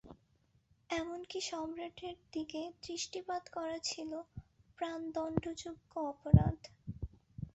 এমন কি সম্রাটের দিকে দৃষ্টিপাত করা ছিল প্রাণদণ্ডযোগ্য অপরাধ।